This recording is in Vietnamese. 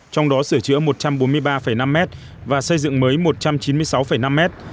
trong đó sửa chữa một trăm bốn mươi ba năm mét và xây dựng mới một trăm chín mươi sáu năm mét